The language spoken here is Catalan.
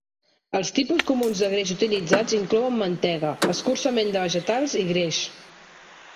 Els tipus comuns de greix utilitzats inclouen mantega, escurçament de vegetals i greix.